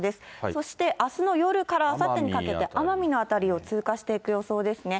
そしてあすの夜からあさってにかけて、奄美の辺りを通過していく予想ですね。